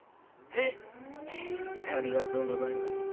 「へいありがとうございました。